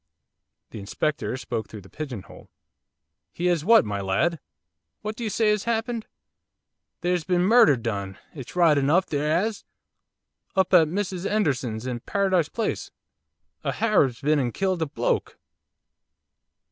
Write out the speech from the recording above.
The Inspector spoke through the pigeon hole. 'He has what, my lad? What do you say has happened?' 'There's been murder done it's right enough! there 'as! up at Mrs 'Enderson's, in Paradise Place, a Harab's been and killed a bloke!